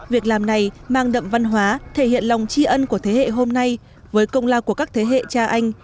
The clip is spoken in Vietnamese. việc làm này mang đậm văn hóa thể hiện lòng tri ân của thế hệ hôm nay với công lao của các thế hệ cha anh